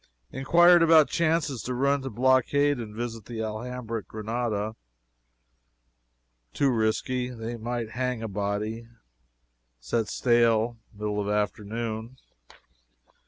Inquired about chances to run to blockade and visit the Alhambra at Granada. Too risky they might hang a body. Set sail middle of afternoon.